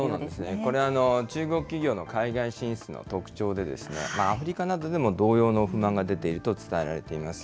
これ、中国企業の海外進出の特徴で、アフリカなどでも同様の不満が出ていると伝えられています。